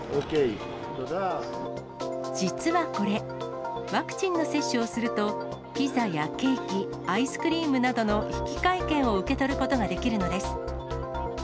実はこれ、ワクチンの接種をすると、ピザやケーキ、アイスクリームなどの引換券を受け取ることができるのです。